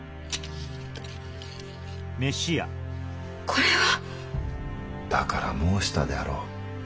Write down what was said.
これは？だから申したであろう？